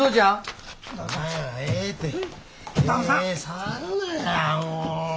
触るなやもう！